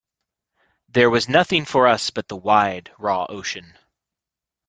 There was nothing for us but the wide raw ocean.